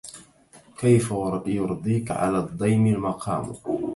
كيف يرضيك على الضيم المقام